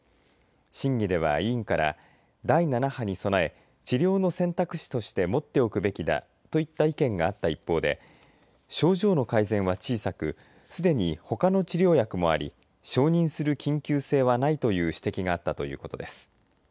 審議では委員から第７波に備え、治療の選択肢として持っておくべきだといった意見があった一方で症状の改善は小さくすでに、ほかの治療薬もあり承認する緊急性はないという指摘があったということです。